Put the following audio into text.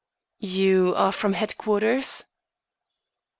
"You are from headquarters?"